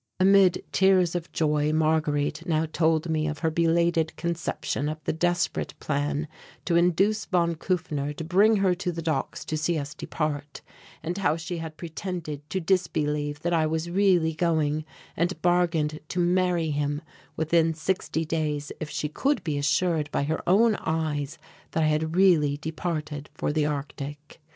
Amid tears of joy Marguerite now told me of her belated conception of the desperate plan to induce von Kufner to bring her to the docks to see us depart, and how she had pretended to disbelieve that I was really going and bargained to marry him within sixty days if she could be assured by her own eyes that I had really departed for the Arctic.